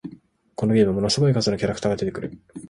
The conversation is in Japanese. このゲーム、ものすごい数のキャラクターが出てくる